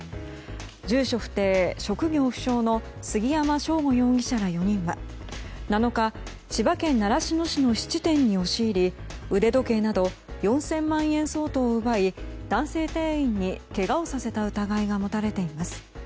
住所不定・職業不詳の杉山翔吾容疑者ら４人は７日、千葉県習志野市の質店に押し入り腕時計など４０００万円相当を奪い男性店員に、けがをさせた疑いが持たれています。